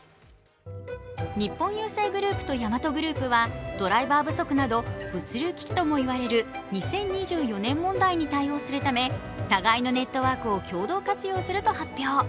日本郵政グループとヤマトグループはドライバー不足など物流危機とも言われる２０２４年問題に対応するため互いのネトを共同活用すると発表。